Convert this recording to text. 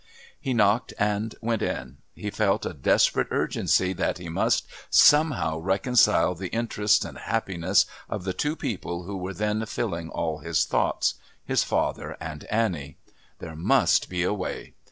He knocked and went in. He felt a desperate urgency that he must somehow reconcile the interests and happiness of the two people who were then filling all his thoughts his father and Annie. There must be a way.